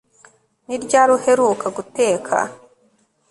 Ni ryari uheruka guteka